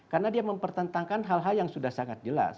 karena dia mempertentangkan hal hal yang sudah sangat jelas